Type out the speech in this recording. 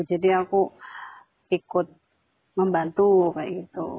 jadi aku ikut membantu kayak gitu